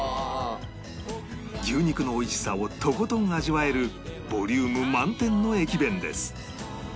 牛肉の美味しさをとことん味わえるボリューム満点の駅弁です